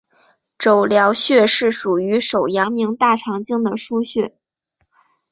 肘髎穴是属于手阳明大肠经的腧穴。